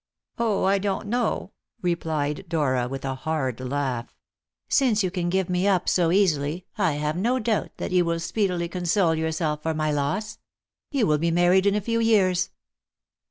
"Oh, I don't know," replied Dora with a hard laugh. "Since you can give me up so easily, I have no doubt that you will speedily console yourself for my loss. You will be married in a few years."